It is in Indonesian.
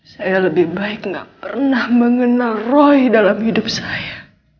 saya lebih baik gak pernah mengenal roy dalam hidup saya